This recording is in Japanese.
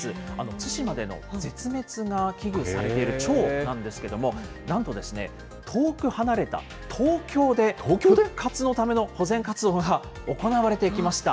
対馬での絶滅が危惧されているチョウなんですけども、なんと遠く離れた東京で、復活のための保全活動が行われてきました。